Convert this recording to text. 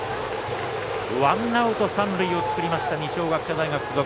ワンアウト、三塁を作りました二松学舎大付属。